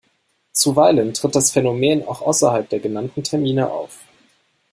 Zuweilen tritt das Phänomen auch außerhalb der genannten Termine auf.